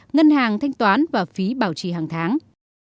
ngân hàng thanh toán và phí bảo trì hàng tháng